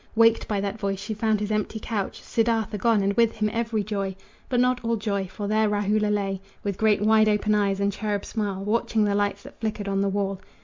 Waked by that voice, she found his empty couch, Siddartha gone, and with him every joy; But not all joy, for there Rahula lay, With great wide open eyes and cherub smile, Watching the lights that flickered on the wall.